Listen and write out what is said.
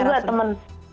oh temen juga